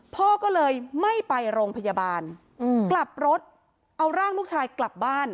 พ่อก็เลยไม่ไปโรงพยาบาลกลับรถเอาร่างลูกชายกลับบ้าน